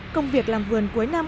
công việc làm vườn cuối năm